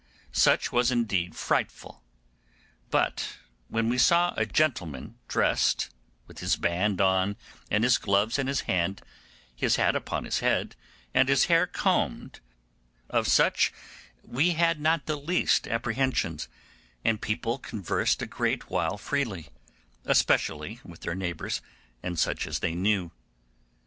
Such was indeed frightful; but when we saw a gentleman dressed, with his band on and his gloves in his hand, his hat upon his head, and his hair combed, of such we had not the least apprehensions, and people conversed a great while freely, especially with their neighbours and such as they knew.